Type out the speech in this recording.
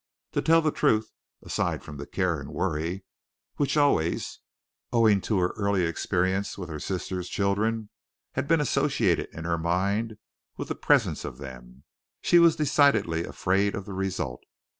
To tell the truth, aside from the care and worry which always, owing to her early experience with her sister's children, had been associated in her mind with the presence of them, she was decidedly afraid of the result.